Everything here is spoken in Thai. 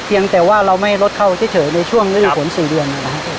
เพียงแต่ว่าเราไม่ลดเข้าเที่ยวเฉยเฉยในช่วงครับฝนสี่เดือนนะครับครับ